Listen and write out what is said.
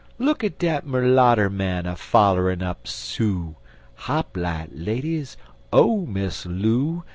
Look at dat merlatter man A follerin' up Sue; Hop light, ladies, Oh, Miss Loo!